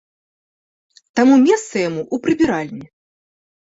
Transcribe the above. Таму месца яму ў прыбіральні.